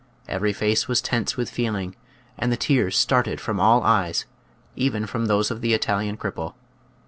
Every face was tense with feel ing, and the tears started from all eyes — even from those of the Italian cripple.